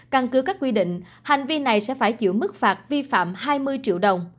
căn cứ các quy định hành vi này sẽ phải chịu mức phạt vi phạm hai mươi triệu đồng